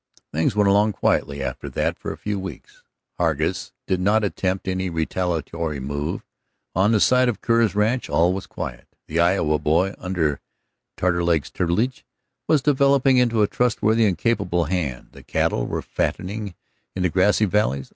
Things went along quietly after that for a few weeks. Hargus did not attempt any retaliatory move; on the side of Kerr's ranch all was quiet. The Iowa boy, under Taterleg's tutelage, was developing into a trustworthy and capable hand, the cattle were fattening in the grassy valleys.